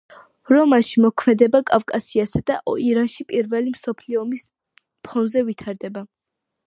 რომანში მოქმედება კავკასიასა და ირანში პირველი მსოფლიო ომის ფონზე ვითარდება.